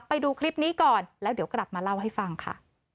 ไปดูคลิปนี้ก่อนแล้วเดี๋ยวกลับมาเล่าให้ฟังค่ะ